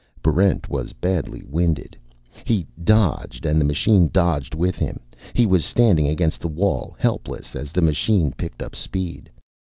Barrent was badly winded. He dodged, and the machine dodged with him. He was standing against the wall, helpless, as the machine picked up speed.